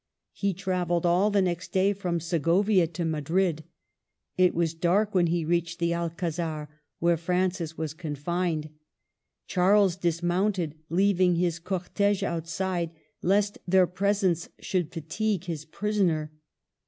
He travelled all the next day from Segovia to Madrid. It was dark when he reached the Alcazar where Francis was con fined. Charles dismounted, leaving his cortege outside, lest their presence should fatigue his prisoner.